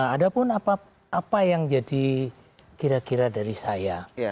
ada pun apa yang jadi kira kira dari saya